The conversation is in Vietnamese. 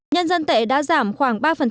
nhân dân tệ đã giảm khoảng ba